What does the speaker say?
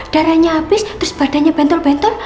darahnya habis terus badannya bentol bentol